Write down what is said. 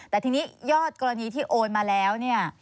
แต่ทีนี้ยอดกรณีที่โอนมาแล้วเนี่ย